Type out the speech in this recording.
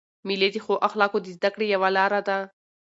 مېلې د ښو اخلاقو د زدهکړي یوه لاره ده.